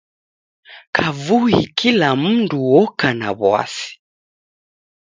Kavui kila mndu oka na w'asi.